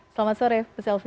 selamat sore ibu selvi